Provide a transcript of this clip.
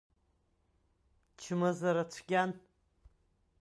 Чмазара цәгьан.